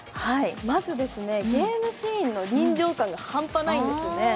まず、ゲームシーンの臨場感が半端ないんですよね。